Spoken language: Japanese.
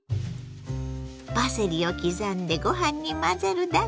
パセリを刻んでご飯に混ぜるだけ！